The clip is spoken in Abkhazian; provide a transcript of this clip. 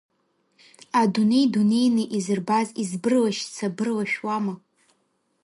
Адунеи дунеины изырбаз избырлашьца-бырлашәуама?